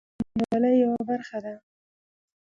ژبې د افغانستان د بڼوالۍ یوه برخه ده.